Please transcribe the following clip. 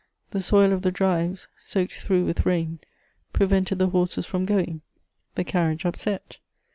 The soil of the drives, soaked through with rain, prevented the horses from going; the carriage upset.